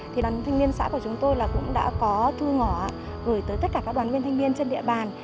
thì đoàn thanh niên xã của chúng tôi là cũng đã có thư ngỏ gửi tới tất cả các đoàn viên thanh niên trên địa bàn